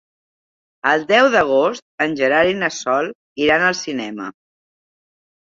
El deu d'agost en Gerard i na Sol iran al cinema.